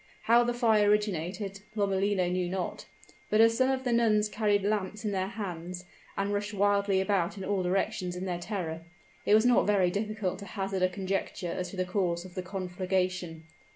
How the fire originated, Lomellino knew not, but as some of the nuns carried lamps in their hands, and rushed wildly about in all directions in their terror, it was not very difficult to hazard a conjecture as to the cause of the conflagration.